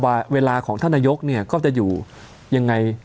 เวลาของท่านนายกเนี่ยก็จะอยู่ยังไง